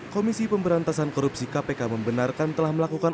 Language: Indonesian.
komisi pemberantasan korupsi kpk membenarkan telah melakukan